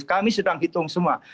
kami sedang hitung semua